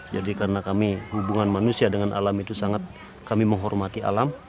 jadi karena kami hubungan manusia dengan alam itu sangat kami menghormati alam